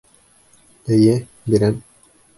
Эйе, бирәм.